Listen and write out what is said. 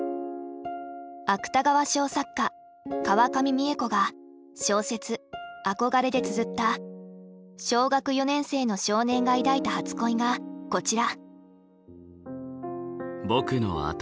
芥川賞作家川上未映子が小説「あこがれ」でつづった小学４年生の少年が抱いた初恋がこちら。